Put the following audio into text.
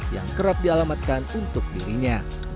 yang kerap dialamatkan untuk dirinya